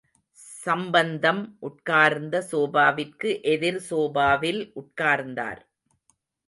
சம்பந்தம் உட்கார்ந்த சோபாவிற்கு எதிர் சோபாவில் உட்கார்ந்தார்.